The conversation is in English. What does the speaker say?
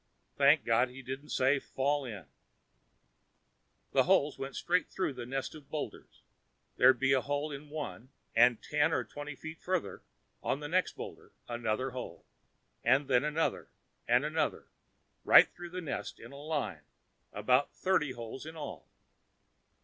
Thank God he didn't say Fall in. The holes went straight through the nest of boulders there'd be a hole in one and, ten or twenty feet farther on in the next boulder, another hole. And then another, and another right through the nest in a line. About thirty holes in all.